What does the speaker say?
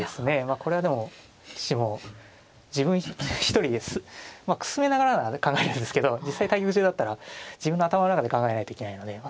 これはでも私も自分一人で進めながらなら考えられるんですけど実際対局中だったら自分の頭の中で考えないといけないのでそうすると